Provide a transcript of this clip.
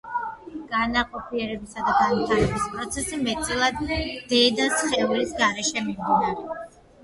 განაყოფიერებისა და განვითარების პროცესი მეტწილად დედა სხეულის გარეშე მიმდინარეობს.